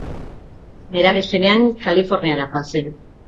Nerabe zenean Kaliforniara joan zen.